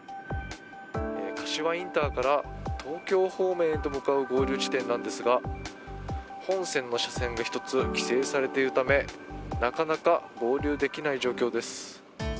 柏ＩＣから東京方面へと向かう合流地点なんですが本線の車線が１つ規制されているためなかなか合流できない状況です。